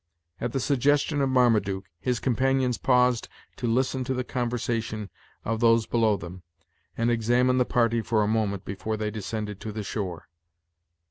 At the suggestion of Marmaduke, his companions paused to listen to the conversation of those below them, and examine the party for a moment before they descended to the shore.